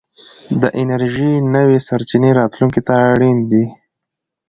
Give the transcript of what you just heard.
د انرژۍ نوې سرچينې راتلونکي ته اړين دي.